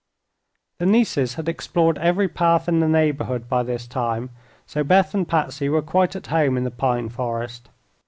The nieces had explored every path in the neighborhood by this time, so Beth and Patsy were quite at home in the pine forest.